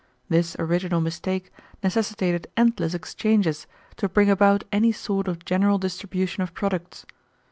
This original mistake necessitated endless exchanges to bring about any sort of general distribution of products.